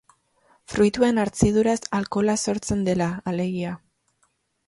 Fruituen hartziduraz alkohola sortzen dela, alegia.